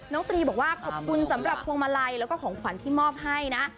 ตรีบอกว่าขอบคุณสำหรับพวงมาลัยแล้วก็ของขวัญที่มอบให้นะ